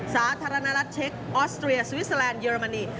สาธารณรัฐเช็คออสเตรียสวิสเตอร์แลนดเรมนี